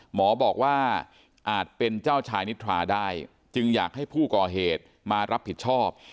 หมอบอกว่าอาจเป็นเจ้าชายนิทราได้จึงอยากให้ผู้ก่อเหตุมารับผิดชอบ